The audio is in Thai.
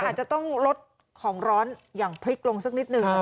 อาจจะต้องลดของร้อนอย่างพริกลงสักนิดนึง